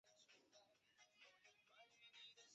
清代直隶遵化州丰润县人。